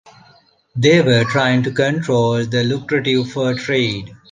They were trying to control the lucrative fur trade.